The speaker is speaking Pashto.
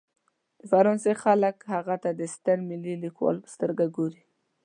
د فرانسې خلک هغه ته د ستر ملي لیکوال په سترګه ګوري.